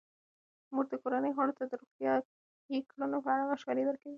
مور د کورنۍ غړو ته د روغتیايي کړنو په اړه مشوره ورکوي.